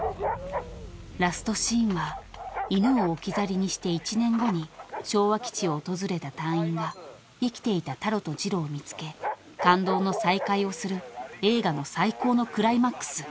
［ラストシーンは犬を置き去りにして１年後に昭和基地を訪れた隊員が生きていたタロとジロを見つけ感動の再会をする映画の最高のクライマックス］